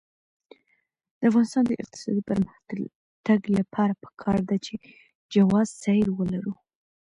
د افغانستان د اقتصادي پرمختګ لپاره پکار ده چې جواز سیر ولرو.